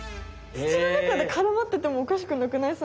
つちの中でからまっててもおかしくなくない？